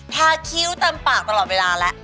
ทาขิ้วตามปากตลอดเวลาแหละ